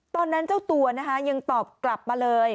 ตอนนั้นเจ้าตัวยังตอบกลับมาเลย